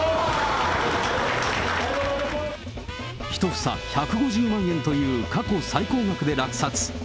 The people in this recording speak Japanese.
１房１５０万円という、過去最高額で落札。